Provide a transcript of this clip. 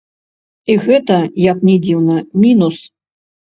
І гэта, як ні дзіўна, мінус.